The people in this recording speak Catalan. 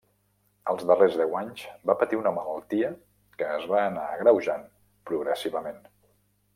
Els darrers deu anys va patir una malaltia que es va anar agreujant progressivament.